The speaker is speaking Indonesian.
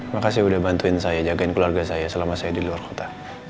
makasih udah bantuin saya jagain keluarga saya selama saya di luar kota